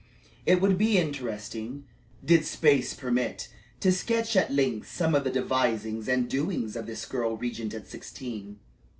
It would be interesting, did space permit, to sketch at length some of the devisings and doings of this girl regent of sixteen.